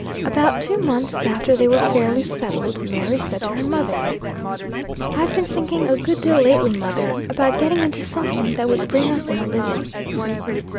About two months after they were fairly settled, Mary said to her mother "I've been thinking a good deal lately, mother, about getting into something that would bring us in a living."